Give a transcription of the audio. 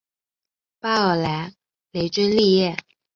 巴尔莱雷居利耶。